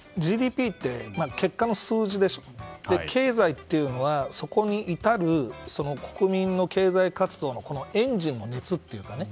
ＧＤＰって結果の数字で経済というのはそこに至る国民の経済活動のエンジンの熱というかね。